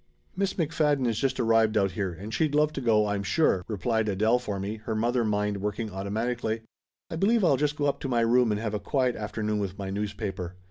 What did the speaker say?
"Miss McFadden is just arrived out here, and she'd love to go, I'm sure!" replied Adele for me, her mother mind working automatically. "I believe I'll just go up to my room and have a quiet afternoon with my news paper.